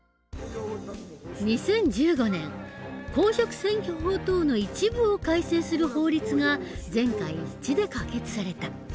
２０１５年公職選挙法等の一部を改正する法律が全会一致で可決された。